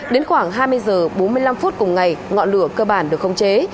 đến khoảng hai mươi h bốn mươi năm phút cùng ngày ngọn lửa cơ bản được không chế